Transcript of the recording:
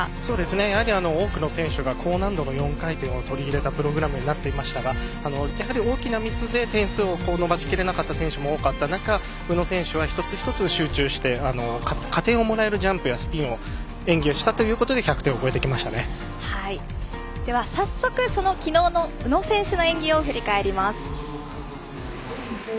やはり多くの選手が高難度の４回転を取り入れたプログラムになっていましたがやはり大きなミスで点数を伸ばしきれなかった選手も多かった中宇野選手は一つ一つ集中して加点をもらえるジャンプやスピン演技をしたということででは、早速きのうの宇野選手の振り返ります。